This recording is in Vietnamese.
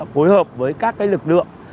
phối hợp với các cái lực lượng